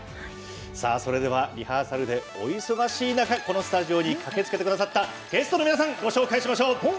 それでは、リハーサルでお忙しい中スタジオに駆けつけてくださったゲストの皆さんご紹介いたしましょう。